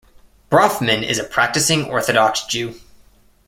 Brafman is a practicing Orthodox Jew.